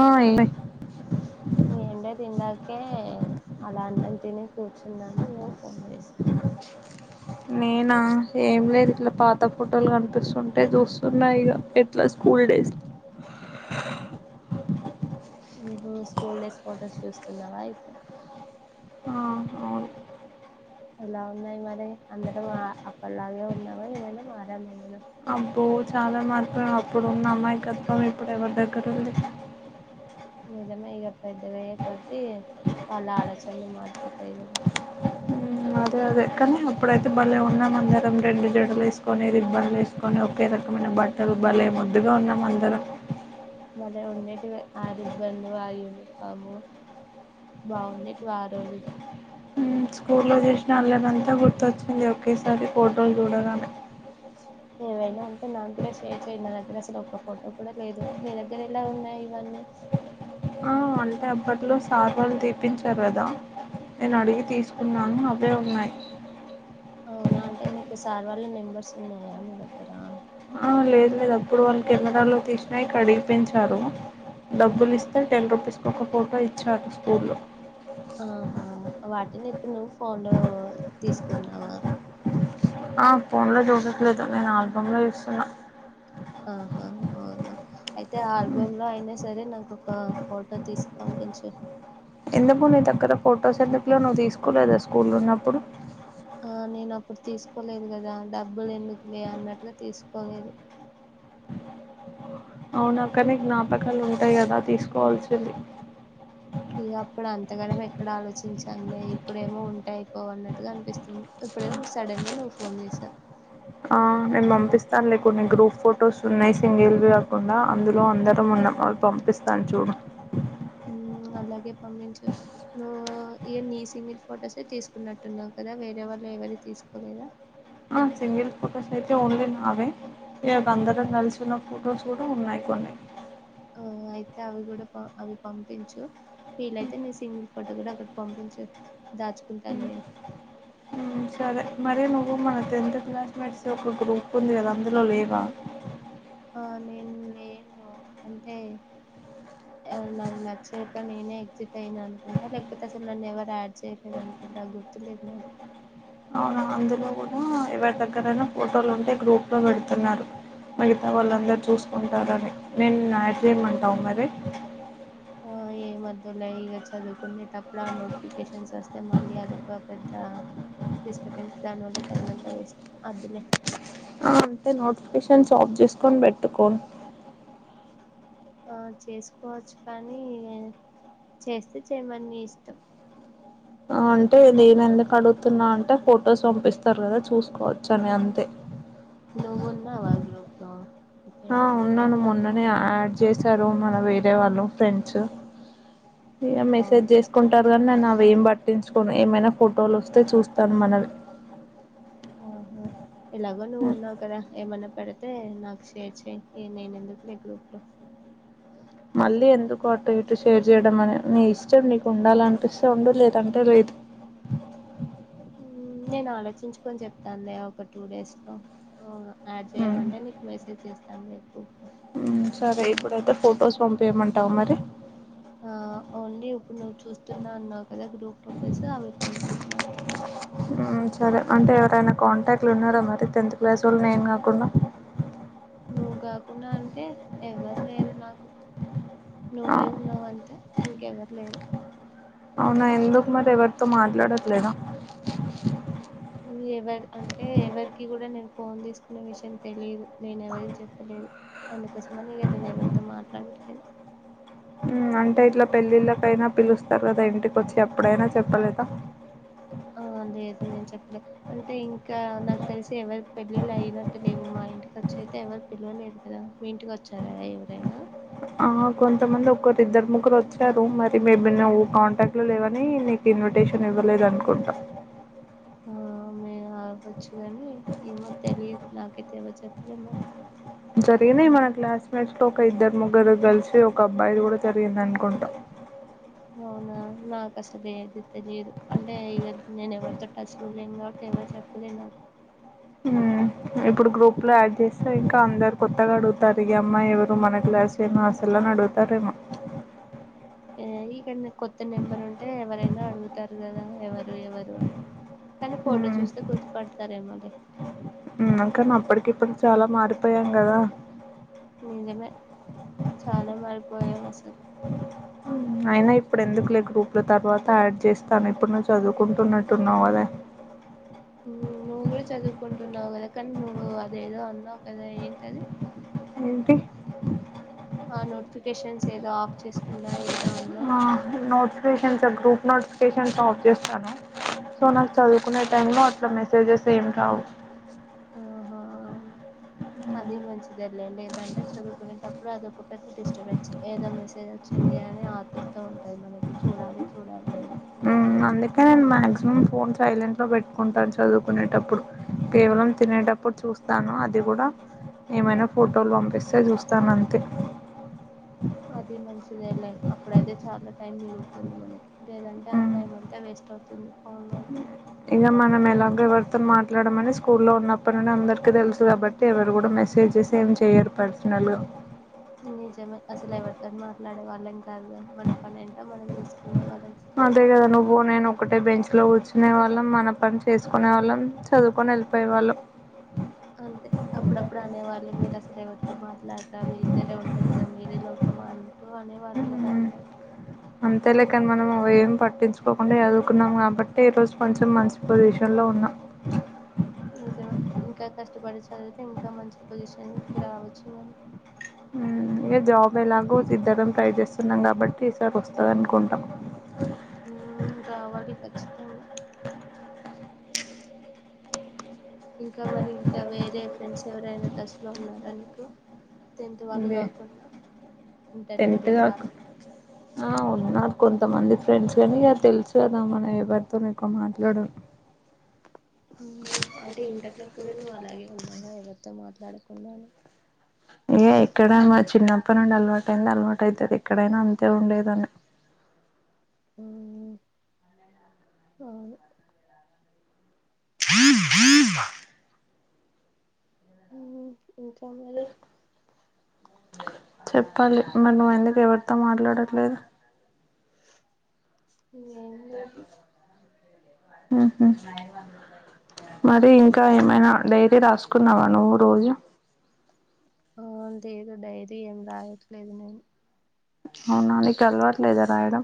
ఆ ఈ ఎండకి ఇందాకే అలా అన్నం తిని కూర్చు చిందాను మ ఫోన్ చేసి నేనా ఏం లేదు ఇట్లా పాత ఫోటోలు కనిపిస్తుంటే చూస్తున్నాయి ఇక ఎట్లా స్కూల్ డేస్ ఉహు స్కూల్ డేస్ ఫొటోస్ చూస్తున్నావా అయితే ఆ అవును ఎలా ఉన్నాయి మరి అందరం అప్పట్లాగే ఉన్నామా ఏమైనా మారమా మనం అబ్బో చాలా మార్పులు అప్పుడున్న అమాయకత్వం ఇప్పుడు ఎవరి దగ్గర ఉంది నిజమే ఇగ పెద్దగా అయ్యే కొద్ది వాళ్ళ ఆలోచనలు మారిపోతాయి కదా అదే అదే కానీ అప్పుడైతే భలే ఉన్నాం అందరం రెండు జడలు వేసుకొని రిబ్బన్లు వేసుకొని ఒకే రకమైన బట్టలు భలే ముద్దుగా ఉన్నాం అందరం భలే ఉండేటివి ఆ రిబ్బన్లు ఆ యూనిఫామ్ బాగుండేటివి ఆ రోజులు స్కూల్లో చేసిన అల్లరీ అంతా గుర్తొచ్చింది ఒకేసారి ఫోటోలు చూడగానే ఏవైనా ఉంటే నాకు కూడా షేర్ చెయ్యండి నా దగ్గర అసలు ఒక ఫోటో కూడా లేదు మీ దగ్గర ఎలా ఉన్నాయి ఇవన్నీ ఆ అంటే అప్పట్లో సార్ వాళ్ళు తీపించారు కదా నేను అడిగి తీసుకున్నాను అవే ఉన్నాయి అవునా అంటే నీకు సార్ వాళ్ళ నెంబర్స్ ఉన్నాయా మీ దగ్గర లేదు లేదు అప్పుడు వాళ్ళు కెమెరాలో తీసినా వి కడిగిపించారు డబ్బులు ఇస్తే టెన్ రుపీస్ కి ఒక ఫోటో ఇచ్చారు స్కూల్లో ఆ హా వాటిని ఇప్పుడు నువ్వు ఫోన్లో తీసుకున్నావా ఆ ఫోన్ లో చూడట్లేదు నేను ఆల్బమ్ లో చుస్తున్నా ఆహా అవునా అయితే ఆ ఆల్బమ్ లో అయినా సరే నాకు ఒక ఫోటో తీసి పంపించు ఎందుకు నీ దగ్గర ఫొటోస్ ఎందుకు లవు నువ్వు తీసుకో లేదా స్కూల్ లో ఉన్నప్పుడు ఆ నేను అప్పుడు తీసుకోలేదు కదా డబ్బులు ఎందుకు లే అన్నట్టుగా తీసుకోలేదు అవును అక్క జ్ఞాపకాలు ఉంటాయి కదా తీసుకోవాల్సింది ఇక అప్పుడు అంతగానం ఎక్కడ ఆలోచించండి ఇప్పుడేమో ఉంటాయి పో అన్నట్టుగా అనిపిస్తుంది ఇప్పుడేమో సడన్ గా నువ్వు ఫోన్ చేసావు ఆ నేను పంపిస్తానులే కొన్ని గ్రూప్ ఫొటోస్ ఉన్నాయి సింగిల్ వి కాకుండా అందులో అందరం ఉన్నాం అవి పంపిస్తాను చూడు అలాగే పంపించు నువ్వు ఇవ నీ సింగిల్ ఫొటోసే తీసుకున్నట్టున్నావు కదా వేరే వాళ్ళు ఎవరి తీసుకోలేదా సింగిల్ ఫొటోస్ అయితే ఉంది నావే ఇ అందరం కలిసి ఉన్న ఫొటోస్ కూడా ఉన్నాయి కొన్ని ఆ అయితే అవి కూడా అవి పంపించు వీళ్లైతే నీ సీంగల్ ఫోటో కూడా ఒక్కటి పంపించు దాచుకుంటాను నేను మ్ సరే మరీ నువ్వు మన టెన్త్ క్లాస్మేట్స్ ఒక గ్రూప్ ఉంది కదా అందులో లేవా ఆ నేను లేను అంటే నాకు నచ్చక నేనే ఎగ్జిట్ అయినా అనుకుంటా లేకపోతే అసలు నన్ను ఎవరు యాడ్ చేయలేదు అనుకుంటా గుర్తులేదు నాకు అవునా అందులో కూడా ఎవరి దగ్గరైనా ఫోటోలు ఉంటే గ్రూప్లో పెడుతున్నారు మిగతా వాళ్ళందరుూ చూసుకుంటారని నేను నిన్ను యాడ్ చేయమంటావా మరి ఆ ఏమి వద్దు లే ఇక చదువుకునేటప్పుడు ఆ నోటిఫికేషన్స్ వస్తే మళ్ళీ అదొక పెద్ద డిస్టబెన్స్ దానివల్ల టైమ్ అంతా వేస్ట్ వద్దు లే అంటే నోటిఫికేషన్స్ ఆఫ్ చేసుకొని పెట్టుకోం ఆ చేసుకోవచ్చు కానీ చేస్తే చెయ్యమని నీ ఇష్టం అంటే నేను ఎందుకు అడుగుతున్నా అంటే ఫొటోస్ పంపిస్తారు కదా చూసుకోవచ్చు అని అంతే నువ్వు ఉన్నావా గ్రూపు లో ఆ ఉన్నాను మొన్న నే నే యాడ్ చేసారు మన వేరే వాళ్ళు ఫ్రెండ్స్ ఇక మెసేజ్ అవును చేసుకుంటారుగానీ నన్న నేను ఏం పట్టించుకోను ఏమైనా ఫోటోలు వస్తే చూస్తాను మనవి ఆహా ఎలాగో నువ్వు ఉన్నావు కదా ఏమన్నా పెడితే నాకు షేర్ చేయి నేను ఎందుకులే గ్రూప్ లో మళ్ళీ ఎందుకు అటు ఇటు షేర్ చేయడం అని నీ ఇష్టం నీకు ఉండాలనిపిస్తే ఉండు లేదంటే లేదు. తందే ఒక్క టూ డేస్ లో యాడ్ చేయమంటే మ్మ్ నీకు మెసేజ్ చేస్తాను సర్లే సరే ఇప్పుడైతే ఫొటోస్ పంపియమంటావ మరి ఆ ఓన్లీ ఇప్పుడు నువ్వు చూస్తున్నా అన్నావు కదా గ్రూప్ ఫొటోస్ అవి పంపించి నాకు సరే అంటే ఎవరైనా కాంటాక్ట్లు ఉన్నారా మరి టెన్త్ క్లాస్ వాళ నేను కాకుండా నువ్వు కాకుండా అంటే ఎవ్వరు లేరు నాకు నువ్వే ఉన్నావ అంతా ఇంకెవరు లేరు అవునా ఎందుకు మరి ఎవరితో మాట్లాడట్లేదా ఎవరి అంటే ఎవరికి కూడా నేను ఫోన్ తీసుకునే విషయం తెలియదు. నేను ఎవరికి చెప్పలేదు. అందుకోసమని ఇక నేను ఎవరితో మాట్లాడట్లేదు. ఉ అంటే ఇట్లా పెళ్ళిళ్ళకైనా పిలుస్తారు కదా ఇంటికి వచ్చి అప్పుడైనా చెప్పలేద ఆ లేదు నేను చెప్పలే అంటే ఇంకా నాకు తెలిసి ఎవరి పెళ్ళిళ్ళు అయినట్టు లేవు మా ఇంటికి చ్చ అయితే ఎవరు పిలవలేరు కదా మీ ఇంటికి వచ్చారా ఎవరైనా ఆ కొంతమంది ఒకరు ఇద్దరు ముగ్గురు వచ్చారు. మరి మేబీ నువ్వు కాంటాక్ట్లో లేవని, నీకు ఇన్విటేషన్ ఇవ్వలేద అనుకుంటా. ఆ మేము ఆవచ్చు కాని ఏమో తెలియదు నాక్ నాకైతే వచ్చలే మరి జరిగినయి మన క్లాస్మేట్స్ లో ఒక ఇద్దరు ముగ్గురు గర్ల్స్ ఒక అబ్బాయి కూడా జరిగింది అనుకుంటా. అవునా నాకు అసలు ఏది తెలిదు. అంటే ఇగ నేను ఎవరితో టచ్ లో లేను కాబట్టి ఎవరు చెప్పలే నాకు. ఉ ఇప్పుడు గ్రూప్ లో యాడ్ చేస్తే ఇంకా అందరు కొత్తగా అడుగు తరిగి అమ్మా ఎవరు మన క్లాసెనా అసలు అడుగుతారేమో ఇక్కడ కొత్త నెంబర్ ఉంటే ఎవరైనా అడుగుతారు కదా ఎవరు ఎవరు అని కానీ ఫోటో మ్మ్ చూస్తే గుర్తుపడతారేమ కాని అప్పటికి ఇప్పుడుకి చాలా మారిపోయాం కదా నిజమే చాన మారిపోయాం అసలు అయినా ఇప్పుడు ఎందుకులే గ్రూప్ లో తర్వాత యాడ్ చేస్తాను. ఇప్పుడు నువ్వు చదువుకుంటున్నట్టున్నావు అదా. ఉ నువ్వు కూడా చదువుకుంటున్నావు కదా నువ్ అదేదో అన్నావు కదా ఏంటది ఏంటి ఆ నోటిఫికేషన్స్ ఏద చేసుకున్నా ఏదో అన్నా పేషన్స్ గ్రూప్ నోటిఫికేన్ స్తాను సో నాకు చదువుకునే టైం లో అట్లా మెసేజెస్ ఏం రావు ఆహా అది మంచిది లేండి లేదంటే చదువుకునేటప్పుడు ఇప్పుడు అదొక పెద్ద డిస్టర్బెన్స్ ఏదో మెసేజ్ వచ్చింది. అని ఆత్రత ఉంటది. మనకి చూడాలి చూడాలి అని. ఉ అందుకే నేను మాక్సిమం ఫోన్ సైలెంట్ లో పెట్టుకుంటా. చదువుకునేటప్పుడు కేవలం తినేటప్పుడు చూస్తాను. అది కూడా ఏమైనా ఫోటోలు పంపిస్తే చూస్తాను అంతే. అది మంచిదేలే అప్పుడైతే చాలా టైం మిగులుతుంది. మనకి లేదంటే ఆ టైం అంతా వేస్ట్ అవుతుంది. ఫోన్ లో ఇక మనం ఎలాగ ఎవరితో మాట్లాడమని స్కూ లో ఉన్నప్పటి ను అందరికి తెలుసు కాబట్టి ఎవరు కూడా మెసేజెస్ ఏం చెయ్యరు పర్సనల్ గా నిజమే అసలు ఎవరితో మాట్లాడే వాళ్ళం కాదు గా మన పని ఏంటో మనం చూసుకునే వాళ్ళం స్కూల్లో అదేగదా నువ్వు నేను ఒకటే బెంచ్ లో కూర్చునే వాళ్ళం మన పని చేసుకునే వాళ్ళం చదువుకొని వెళ్ళిపోయేవాళ్ళు అంతే అప్పుడప్పుడు అనేవాళ్ళు మీరు అసలు ఎవరితో మాట్లాడతా మీ ఇద్దరే ఉంటారు. ఇక మీరే లోకమా అంటూ అనేవాళ్ళు కదా అందరు. అంతేలేకని మనం అ ఏం పట్టించుకోకుండా చదువుకున్నాం కాబట్టి ఈరోజు కొంచెం మంచి పొజిషన్లో ఉన్నాం నిజం ఇంకా కష్టపడి చదివితే ఇంకా మంచి పొజిషన్కి రావచ్చు మని మ్మ్ ఇక జాబ్ ఎలాగ ఇద్దరం ట్రై చేస్తున్నాం కాబట్టి ఈసారి వస్తుంది అనుకుంటా మ్మ్ రావాలి కచ్చితంగా ఇంకా మరి ఇంకా వేరే ఫ్రెండ్స్ ఎవరైనా టస్లో ఉన్నారా నీకు టెన్త్ వాళ్ళు ఇదే కాకుండా టెన్త్ ఇంటర్మీడియట్ కాక వాళ్ళు ఆ ఉన్నారు కొంతమంది ఫ్రెండ్స్ కానీ ఇ తెలుసు కదా మనం ఎవరితోనెక్కువ మాట్లాడం మ్మ్ అంటే ఇంటర్లో కూడా నువ్వు అలాగే ఉన్నావా ఎవరితో మాత్ ఇక ఎక్కడ మా చిన్నప్పు తప్ప నుండి అలవాటు అయింది అలవాటు అవుతుది ఎక్కడైనా అంతే ఉండేదాన్ని మ్మ్ మ్మ్ మ్మ్ చెప్పాలి మరి నువ్వు ఎందుకు ఎవరితో మాట్లాడట్లేదు ఇంకేం లేదు మ్మ్ హ్మ్ మరి ఇంకా ఏమైనా డైరీ రాసుకున్నావా నువ్వు రోజు ఆ లేదు డైరీ ఏం రాయట్లేదు నేను అవునా నీకు అలవట్లేదా రాయడం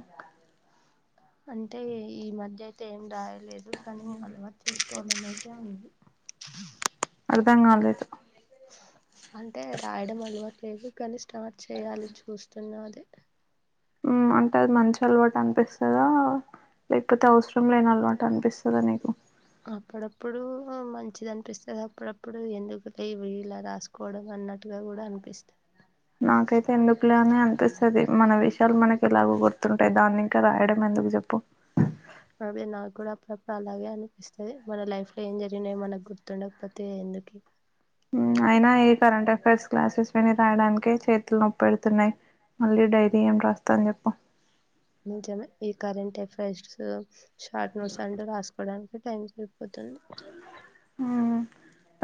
అంటే ఈ మధ్య అయితే ఏం రాయలేదు కానీ అలవాటు చేసుకోవాలని అయితే ఉంది అ అర్ధం కాలేదు అంటే రాయడం అలవట్లేదు కానీ స్టార్ట్ చేయాలి చూస్తున్న ఉ అంటే అది మంచి అలవాటు అని పిస్తదా లేకపోతే అవసరం లేని అలవాట అనిపిస్ [unintelligible] అప్పుడప్పుడు మంచిది అనిపిస్తది అప్పుడప్పుడు ఎందుకు లేవి ఇలా రాసుకోవడం అన్నట్టుగా కూడా అనిపిస్తు నాకైయితే ఎందుకులే అని అన్ అనిపిస్తది మన విషయాలు మనకి ఎలాగో గుర్తుంటాయి దాన్ని ఇంకా రాయడం ఎందుకు చెప్పు అదే నాకు కూడా అప్పుడప్పుడు అలాగే అనిపిస్తుంది మన లైఫ్ లో ఏం జరిగినాయో మనకు గుర్తుండకపోతే ఎందుకు అయినా ఈ కరెంట్ అఫైర్స్ క్లాసెస్ విని రాయడానినకే చేతులు నొప్పి పెడుతున్నాయి మళ్ళీ డైరీ ఏం రాస్తాను చెప్పు నిజమే ఈ కరెంట్ ఎ ఎఫైర్స్ షాట్ నోట్స్ అంట రాసుకోడానికి [unintelligible] ఊహు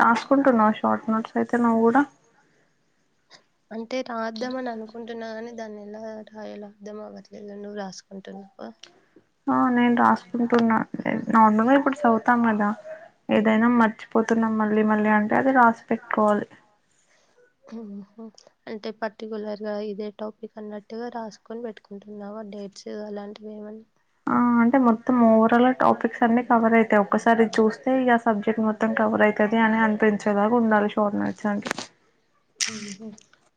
రాసుకుంటా నోడ్స్ షార్ట్ నోట్స్ అయితే నువ్వు గూడ అంటే రాద్దాం అని అనుకుంటున్నా కాని దాన్ని ఎలా రాయలా అర్దం అవ్వట్లేదు నువ్వు రాసుకుంటున్నావ ఆ నేను రాసుకుంటున్నా నా నార్మల్ గా ఇప్పుడు చదువుతాం కదా ఏదైనా మర్చిపోతున్నాం మళ్ళీ మళ్ళీ అంటే అది రాసి పెట్టుకోవాలి ఓహో అంటే పర్టికులర్ గా ఇదే టాపిక్ అన్నట్టుగా రాసుకొని పెట్టుకుంటున్నావ డేట్స్ అలాంటివి ఏమన్నా ఆ అంటే మొత్తం ఓవరాల్ టాపిక్స్ అన్ని కవర్ అయితాయి ఒసారి చూస్తే ఇక సబ్జెక్ట్ మొత్తం కవర్ అయితాది అని అనిపించేలాగా ఉండాలి షార్ట్ నోట్స్ అంటే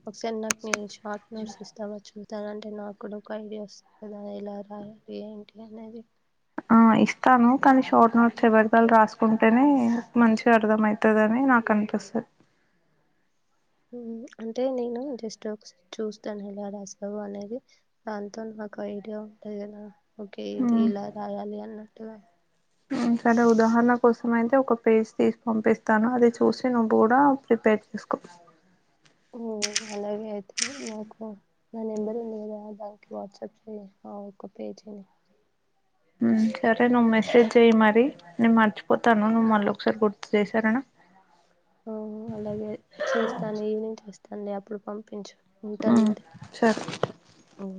ఒకసారి నాకు మీ షార్ట్ నోట్స్ ఇస్తావా చు ఇత్తాను అంటే నాకుడ ఒక ఐడియా వస్తుంది కదా ఎలా రాయాలి ఏంటి అనేది ఆ ఇస్తాను కానీ షార్ట్ నోట్స్ ఎవరిది వాళ్లు రాసుకుంటేనే మంచిగా అర్దం అయితుందని నాకు అనిపిస్తది అంటే నేను జస్ట్ ఒక చూస్తాను ఎలా రాసావు అనేది దాంతో నాకు ఐడియా ఉంటది కదా ఓకే ఇది ఇలా రాయాలి అన్న [inaudible] ఉ సరే ఉదాహరణ కోసం అయితే ఒక పేస్ తీసి పంపిస్తాను అది చూసి నువ్వు కూడా ప్రిపేర్ చేసుకో ఊ అలాగే అయితే నాకు నా నంబరు ఉంది గదా [unintelligible] వాట్సాప్ ఒక పేజీ ఉ సరే నువ్వు మెసేజ్ చెయ్యి మరి నేను మర్చిపోతాను నువ్వు మళ్ళ ఒకసారి గుర్తు చేయ్ సరేనా ఆ అలాగే చేస్తాను ఈవినింగ్ చేస్తాను లే ఇప్పుడు పంపించు ఉంటన్ ఉమ్ మరి సరే ఉ